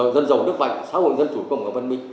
dân giàu nước mạnh xã hội dân chủ công và văn minh